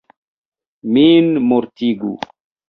Min mortigu!